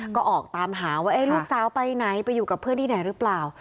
ก็ออกตามหาว่าลูกสาวไปไหนไปอยู่กับเพื่อนที่ไหนหรือเปล่า